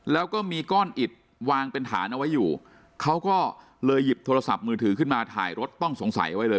แล้วก็มีก้อนอิดวางเป็นฐานเอาไว้อยู่เขาก็เลยหยิบโทรศัพท์มือถือขึ้นมาถ่ายรถต้องสงสัยไว้เลย